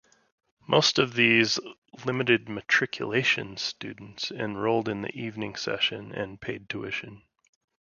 Most of these "limited matriculation" students enrolled in the Evening Session, and paid tuition.